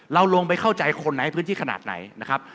เราลงไปเข้าใจคนในพื้นที่ขนาดไหนนะครับ